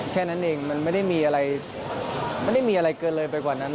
แค่นั้นเองมันไม่ได้มีอะไรเกินเลยไปกว่านั้น